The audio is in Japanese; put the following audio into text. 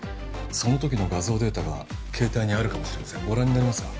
その時の画像データが携帯にあるかもしれませんご覧になりますか？